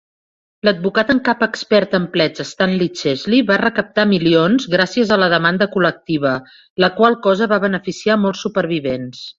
L'advocat en cap expert en plets Stanley Chesley va recaptar milions gràcies a la demanda col·lectiva, la qual cosa va beneficiar molts supervivents.